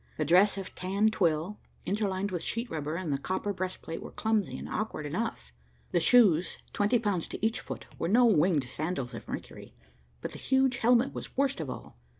The dress of tan twill, interlined with sheet rubber, and the copper breastplate were clumsy and awkward enough. The shoes, twenty pounds to each foot, were no winged sandals of Mercury, but the huge helmet was worst of all.